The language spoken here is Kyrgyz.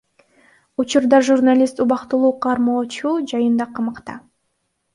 Учурда журналист убактылуу кармоочу жайда камакта.